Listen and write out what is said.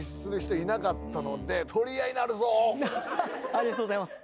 ありがとうございます。